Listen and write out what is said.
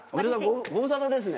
ご無沙汰ですね。